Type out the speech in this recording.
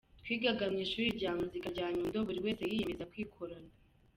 twigaga mu ishuri rya muzika rya Nyundo buri wese yiyemeza kwikorana.